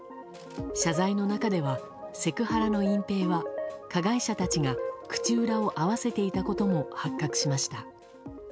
謝罪の中ではセクハラの隠蔽は加害者たちが口裏を合わせていたことも発覚しました。